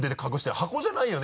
箱じゃないよね？